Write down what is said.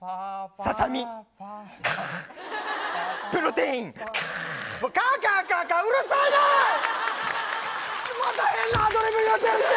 また変なアドリブ言うてるし！